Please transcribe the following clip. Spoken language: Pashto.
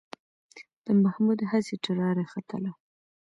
د محمود هسې ټراري ختله.